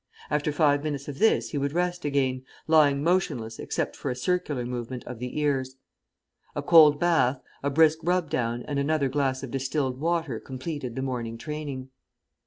After five minutes of this he would rest again, lying motionless except for a circular movement of the ears. A cold bath, a brisk rub down and another glass of distilled water completed the morning training.